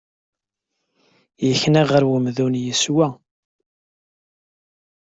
Yekna ɣer umdun yeswa.